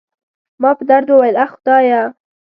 ما په درد وویل: اخ، خدایه.